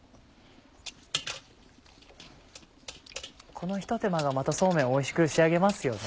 このひと手間がまたそうめんをおいしく仕上げますよね。